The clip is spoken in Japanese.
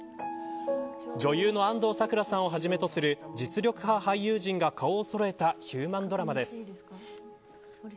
女優の安藤サクラさんをはじめとする実力派俳優陣が顔をそろえたヒューマンドラマです。